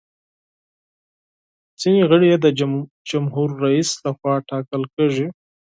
ځینې غړي یې د جمهور رئیس لخوا ټاکل کیږي.